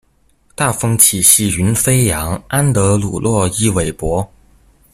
大風起兮雲飛揚，安德魯洛伊韋伯